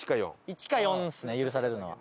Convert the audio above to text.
「１」か「４」ですね許されるのは。